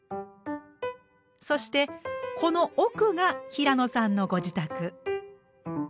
そしてこの奥が平野さんのご自宅。